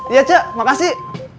iya cak makasih